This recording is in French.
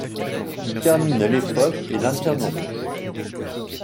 Il termine l'épreuve et lanterne rouge.